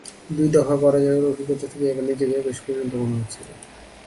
দুই দফা পরাজয়ের অভিজ্ঞতা থেকে এবার নিজেকে বেশ পরিণত মনে হচ্ছিল।